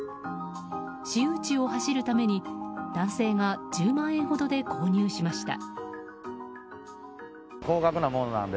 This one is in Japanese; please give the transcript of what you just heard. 私有地を走るために、男性が１０万円ほどで購入しました。